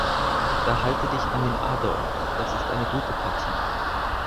Da halte dich an den Adolf, das ist eine gute Partie.